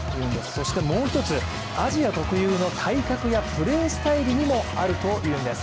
そしてもう一つ、アジア特有の体格やプレースタイルにもあるというんです。